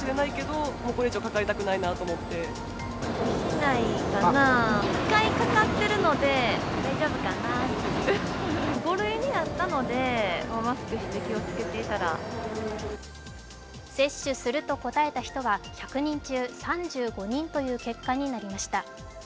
街で１００人に聴いてみると接種すると答えた人は１００人中３５人という結果になりました。